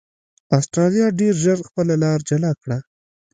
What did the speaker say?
اسټرالیا ډېر ژر خپله لار جلا کړه.